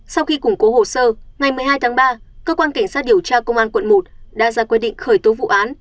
sau khi củng cố hồ sơ ngày một mươi hai tháng ba cơ quan cảnh sát điều tra công an quận một đã ra quyết định khởi tố vụ án